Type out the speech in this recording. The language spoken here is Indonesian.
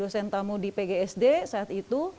dosen tamu di pgsd saat itu